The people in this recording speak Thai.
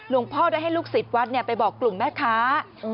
ลุงพ่อจะให้ลูกสิทธิ์วัดไปบอกกลุ่มแม่ค้า